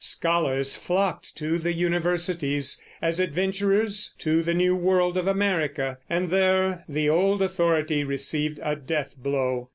Scholars flocked to the universities, as adventurers to the new world of America, and there the old authority received a deathblow.